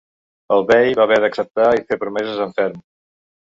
El bei va haver d’acceptar i fer promeses en ferm.